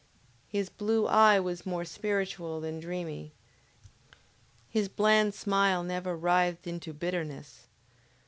His blue eye was more spiritual than dreamy, his bland smile never writhed into bitterness.